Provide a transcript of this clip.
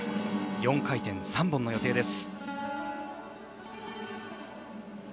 ４回転３本の予定です。